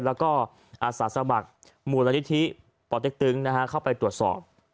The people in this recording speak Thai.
แล้วก็อาศาสบักษ์หมู่รณิธิปติ๊กตึ๊งนะฮะเข้าไปตรวจสอบ